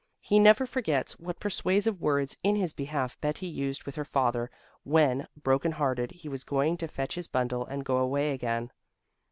He never forgets what persuasive words in his behalf Betti used with her father, when, broken hearted, he was going to fetch his bundle and go away again.